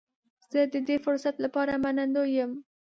زه د دې فرصت لپاره منندوی یم.